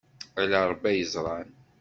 Ala Ṛebbi ay yeẓran.